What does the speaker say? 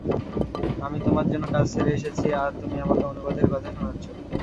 আমি তোমার জন্য কাজ ছেড়ে এসেছি আর তুমি আমাকে অনুগতের কথা শুনাচ্ছো?